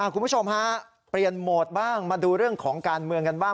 คุณผู้ชมฮะเปลี่ยนโหมดบ้างมาดูเรื่องของการเมืองกันบ้าง